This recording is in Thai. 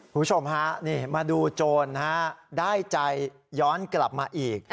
คุณผู้ชมฮะนี่มาดูโจรได้ใจย้อนกลับมาอีก